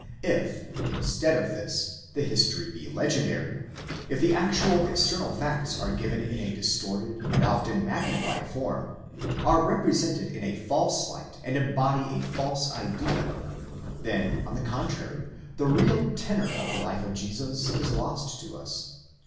If instead of this, the history be legendary— if the actual external facts are given in a distorted and often magnified form —are represented in a false light and embody a false idea,—then, on the con trary, the real tenour of the life of Jesus is lost to us.